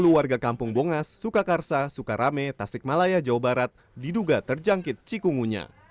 sembilan puluh warga kampung bongas sukakarsa sukarame tasikmalaya jawa barat diduga terjangkit cikungunya